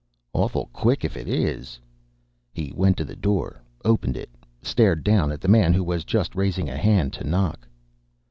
"Awful quick, if it is." He went to the door, opened it, stared down at the man who was just raising a hand to knock.